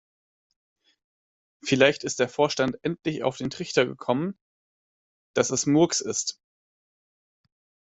Vielleicht ist der Vorstand endlich auf den Trichter gekommen, dass es Murks ist.